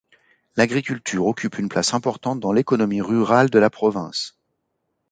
L'agriculture occupe une place importante dans l'économie rurale de la province.